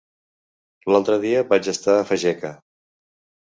L'altre dia vaig estar a Fageca.